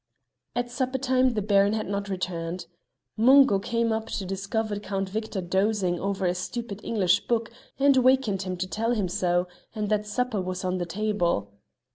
At supper time the Baron had not returned. Mungo came up to discover Count Victor dozing over a stupid English book and wakened him to tell him so, and that supper was on the table.